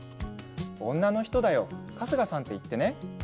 女の人だよ春日さんって言ってね。